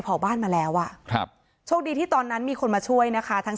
เผาบ้านมาแล้วอ่ะครับโชคดีที่ตอนนั้นมีคนมาช่วยนะคะทั้ง